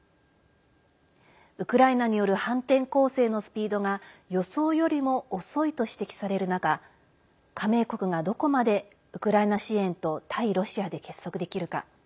ウクライナによる反転攻勢のスピードが予想よりも遅いと指摘される中加盟国がどこまでウクライナ支援と対ロシアで結束できるか。